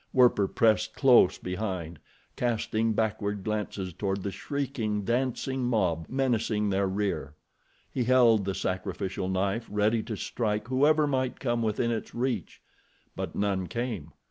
Werper pressed close behind, casting backward glances toward the shrieking, dancing mob menacing their rear. He held the sacrificial knife ready to strike whoever might come within its reach; but none came.